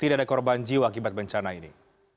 tidak ada korban jiwa akibat bencana ini